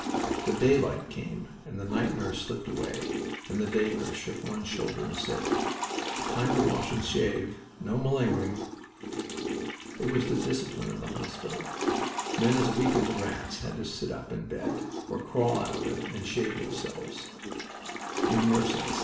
The daylight came and the night nurse slipped away, and the day nurse shook one's shoulders and said: "Time to wash and shave. No malingering!" It was the discipline of the hospital. Men as weak as rats had to sit up in bed, or crawl out of it, and shave themselves. "You're merciless!"